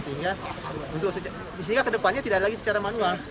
sehingga ke depannya tidak ada lagi secara manual